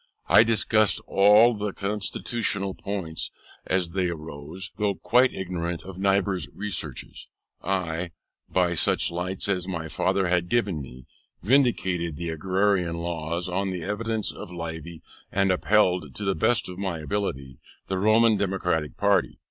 I discussed all the constitutional points as they arose: though quite ignorant of Niebuhr's researches, I, by such lights as my father had given me, vindicated the Agrarian Laws on the evidence of Livy, and upheld, to the best of my ability, the Roman Democratic party.